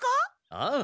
ああ。